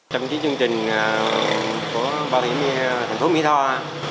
trong chương trình của bảo hiểm thành phố mỹ tho